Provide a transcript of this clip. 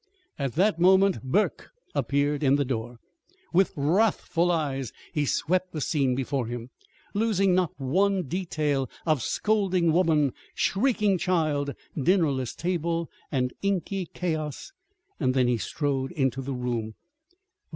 At that moment Burke appeared in the door. With wrathful eyes he swept the scene before him, losing not one detail of scolding woman, shrieking child, dinnerless table, and inky chaos. Then he strode into the room.